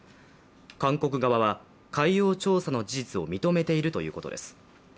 韓国側は、海洋調査の事実を認めているということです。